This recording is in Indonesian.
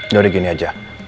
ya udah gini aja